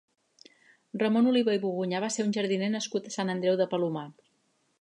Ramon Oliva i Bogunyà va ser un jardiner nascut a Sant Andreu de Palomar.